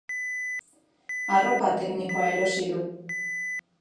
Arropa teknikoa erosi du.